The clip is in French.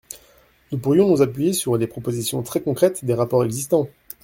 Nous pourrions nous appuyer sur les propositions très concrètes des rapports existants.